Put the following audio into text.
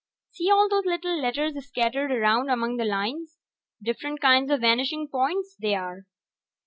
See all those little letters scattered around among the lines? Different kinds of vanishing points, they are.